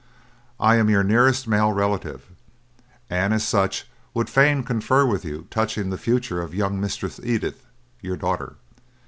I am your nearest male relative, and as such would fain confer with you touching the future of young Mistress Edith, your daughter.